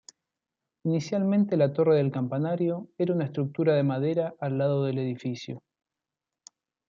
Inicialmente, la torre del campanario era una estructura de madera al lado del edificio.